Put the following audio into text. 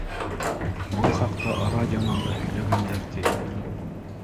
? Был хаҡта радионан да һөйләгәндәр, ти.